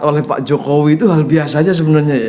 oleh pak jokowi itu hal biasa aja sebenarnya ya